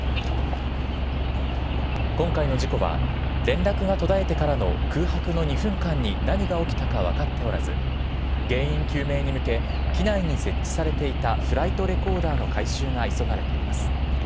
今回の事故は連絡が途絶えてからの空白の２分間に何が起きたか分かっておらず原因究明に向け機内に設置されていたフライトレコーダーの回収が急がれています。